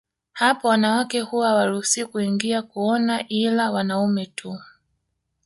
Hapo wanawake huwa hawaruhusiwi kuingia kuona ila wanaume tu